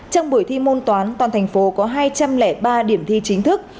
trong buổi thi môn toán toàn thành phố có hai trăm linh ba điểm thi chính thức